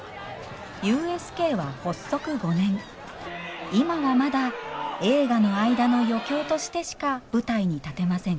ＵＳＫは発足５年今はまだ映画の間の余興としてしか舞台に立てません